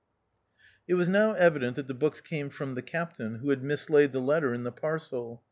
It was now evident that the books came from the Captain, who had mislaid the letter in the parcel.